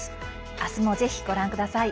明日も、ぜひご覧ください。